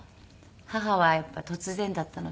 母はやっぱり突然だったので。